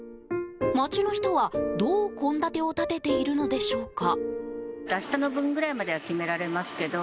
街の人は、どう献立を立てているのでしょうか？